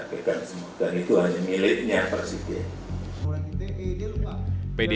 tapi kan semuanya itu hanya miliknya presiden